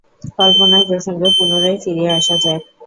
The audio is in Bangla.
কল্পনার প্রসঙ্গে পুনরায় ফিরিয়া আসা যাক।